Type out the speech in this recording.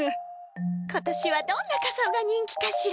今年はどんな仮装が人気かしら。